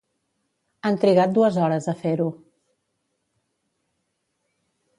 Han trigat dues hores a fer-ho.